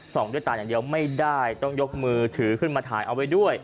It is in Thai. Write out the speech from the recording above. ด้วยตาอย่างเดียวไม่ได้ต้องยกมือถือขึ้นมาถ่ายเอาไว้ด้วย